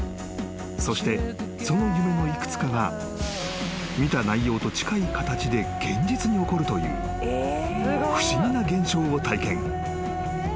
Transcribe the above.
［そしてその夢の幾つかが見た内容と近い形で現実に起こるという不思議な現象を体験］